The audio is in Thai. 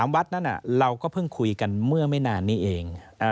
วัดนั้นเราก็เพิ่งคุยกันเมื่อไม่นานนี้เอง